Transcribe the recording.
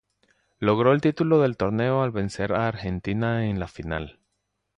Logró el título del torneo al vencer a Argentina en la final.